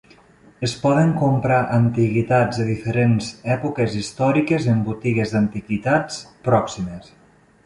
Es poden comprar antiguitats de diferents èpoques històriques en botigues d'antiguitats pròximes.